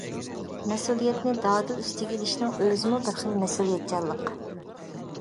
مەسئۇلىيەتنى دادىل ئۈستىگە ئېلىشنىڭ ئۆزىمۇ بىر خىل مەسئۇلىيەتچانلىق.